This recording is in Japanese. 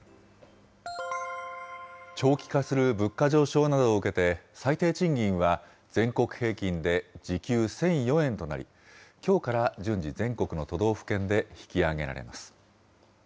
長期化する物価上昇などを受けて、最低賃金は全国平均で時給１００４円となり、きょうから順次、全国の都道府県で引き上げられます。